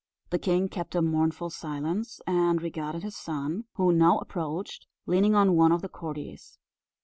The king kept a mournful silence, and regarded his son, who now approached, leaning on one of the courtiers.